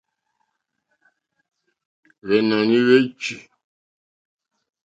Hwènɔ̀ní hwé chí.